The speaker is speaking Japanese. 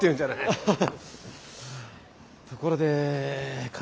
ハハハハ。